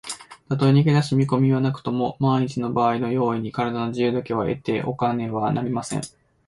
たとえ逃げだす見こみはなくとも、まんいちのばあいの用意に、からだの自由だけは得ておかねばなりません。